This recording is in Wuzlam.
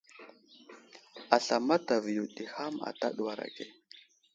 Asla mataviyo ɗi ham ata ɗuwar age.